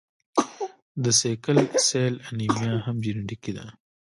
د سیکل سیل انیمیا هم جینیټیکي ده.